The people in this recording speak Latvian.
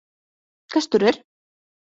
Kas tur ir?